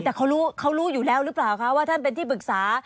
แต่เขารู้อยู่แล้วหรือเปล่าคะว่าท่านเป็นที่ปรึกษา